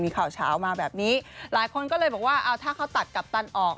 มีข่าวเฉามาแบบนี้หลายคนก็เลยบอกว่าเอาถ้าเขาตัดกัปตันออก